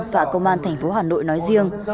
và công an thành phố hà nội nói riêng